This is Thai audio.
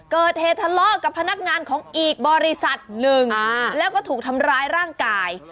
เกิดเหตุทะเลาะกับพนักงานของอีกบริษัทหนึ่งแล้วก็ถูกทำร้ายร่างกาย